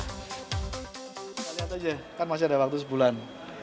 kita lihat aja kan masih ada waktu sebulan